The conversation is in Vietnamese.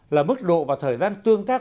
là mức độ và thời gian tương tác